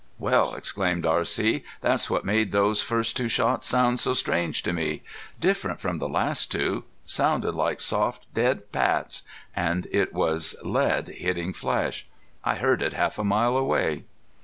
"Well!" exclaimed R.C. "That's what made those first two shots sound so strange to me. Different from the last two. Sounded like soft dead pats! And it was lead hitting flesh. I heard it half a mile away!"